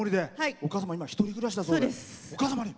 お母様、今１人暮らしだそうで。